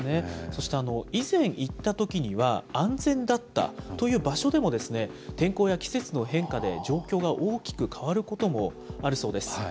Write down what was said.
そして、以前行ったときには、安全だったという場所でも、天候や季節の変化で状況が大きく変わることもあるそうです。